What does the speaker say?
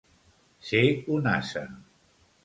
Ser un ase.